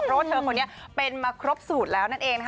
เพราะว่าเธอคนนี้เป็นมาครบสูตรแล้วนั่นเองนะคะ